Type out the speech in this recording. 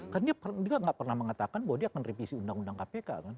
kan dia nggak pernah mengatakan bahwa dia akan revisi undang undang kpk kan